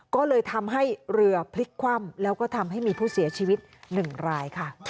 ก็เลยทำให้เรือพลิกคว่ำแล้วก็ทำให้มีผู้เสียชีวิต๑รายค่ะ